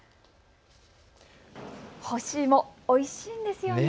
干し芋、おいしいんですよね。